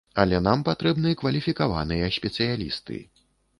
Але нам патрэбны кваліфікаваныя спецыялісты.